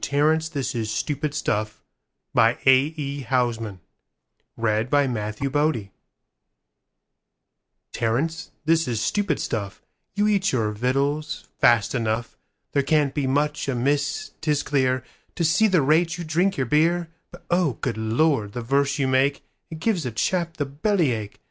Terence, this is stupid stuff 'TERENCE, this is stupid stuff:You eat your victuals fast enough; There can't be much amiss, 'tis clear, To see the rate you drink your beer. But oh, good Lord, the verse you make, It gives a chap the belly ache.